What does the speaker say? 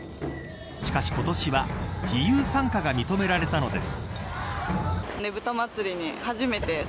しかし今年は自由参加が認められたのです。